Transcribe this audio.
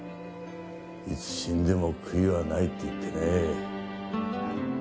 いつ死んでも悔いはない！って言ってね。